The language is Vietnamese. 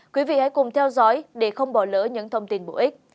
quý vị hãy cùng theo dõi để không bỏ lỡ những thông tin bổ ích